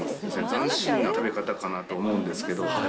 斬新な食べ方かなと思うんですけど。